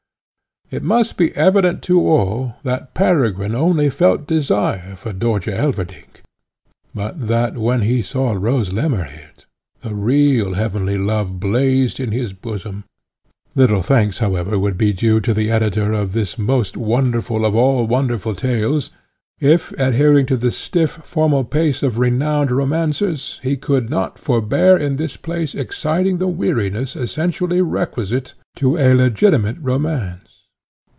It must be evident to all, that Peregrine only felt desire for Dörtje Elverdink, but that, when he saw Rose Lemmerhirt, the real heavenly love blazed in his bosom. Little thanks, however, would be due to the editor of this most wonderful of all wonderful tales, if, adhering to the stiff, formal pace of renowned romancers, he could not forbear in this place exciting the weariness essentially requisite to a legitimate romance.